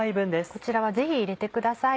こちらはぜひ入れてください